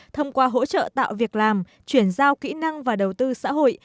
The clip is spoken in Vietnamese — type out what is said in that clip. thông qua hỗ trợ tạo việc làm chuyển giao kỹ năng và đầu tư xã hội